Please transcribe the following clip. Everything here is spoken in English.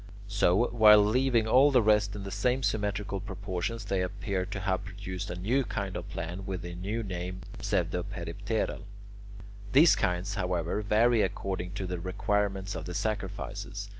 So, while leaving all the rest in the same symmetrical proportions, they appear to have produced a new kind of plan with the new name "pseudoperipteral." These kinds, however, vary according to the requirements of the sacrifices.